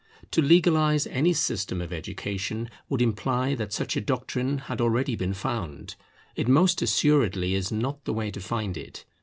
To legalize any system of education would imply that such a doctrine had been already found; it most assuredly is not the way to find it.